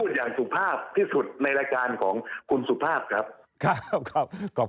ผมพูดอย่างสุภาพที่สุดในรายการของคุณสุภาพครับ